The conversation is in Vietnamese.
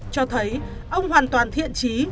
cho thấy ông hoàn toàn thiện trí